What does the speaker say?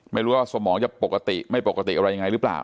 ไม่รู้ว่าสมองจะปกติไม่ปกติอะไรยังไงหรือเปล่า